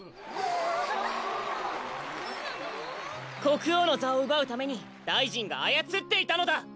こくおうのざをうばうために大臣があやつっていたのだ！